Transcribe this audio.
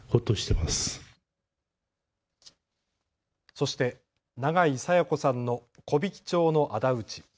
そして永井紗耶子さんの木挽町のあだ討ち。